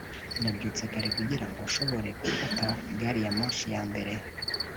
nabyutse kare, kugira ngo nshobore gufata gari ya moshi ya mbere